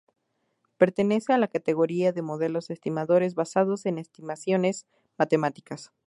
Pertenece a la categoría de modelos estimadores basados en estimaciones matemáticas.